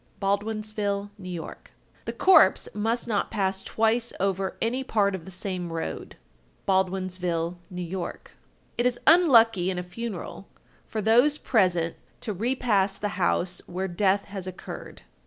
Baldwinsville, N.Y. 1254. The corpse must not pass twice over any part of the same road. Baldwinsville, N.Y. 1255. It is unlucky in a funeral, for those present to repass the house where death has occurred.